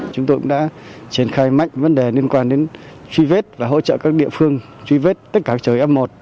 chúng tôi cũng đã triển khai mạnh vấn đề liên quan đến truy vết và hỗ trợ các địa phương truy vết tất cả trời f một